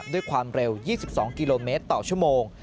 ด้วยความเร็ว๒๒กิโลเมตรต่อชั่วโมง